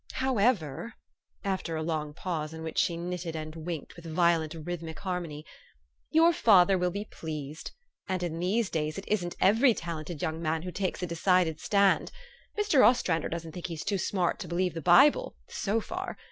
However," after a long pause, in which she' knitted and winked with violent rhythmic harmony, '' your father will be pleased. And in these days it isn't every talented young man who takes a decided stand. Mr. Ostran der doesn't think he's too smart to believe the Bible, so far.